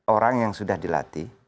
orang yang sudah dilatih